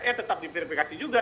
ya tetap diverifikasi juga